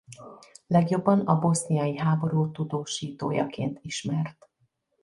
Legjobban a boszniai háború tudósítójaként ismert.